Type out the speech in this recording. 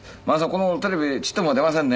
この頃テレビちっとも出ませんね」